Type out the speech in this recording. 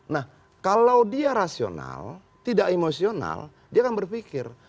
nah kalau dia rasional tidak emosional dia akan berpikir